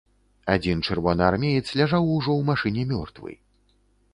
Адзін чырвонаармеец ляжаў ужо ў машыне мёртвы.